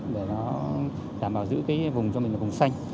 để nó đảm bảo giữ cái vùng cho mình là vùng xanh